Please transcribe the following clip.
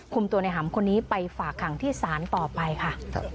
คุมตัวในหำคนนี้ไปฝากห่างที่สารต่อไปค่ะ